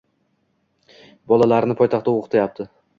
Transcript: Bolalarini poytaxtda o`qityapti